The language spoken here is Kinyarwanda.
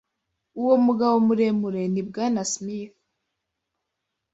Uwo mugabo muremure ni Bwana Smith.